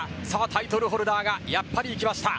タイトルホルダーがやっぱりいきました。